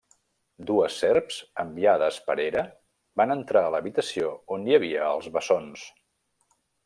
Dues serps, enviades per Hera, van entrar a l'habitació on hi havia els bessons.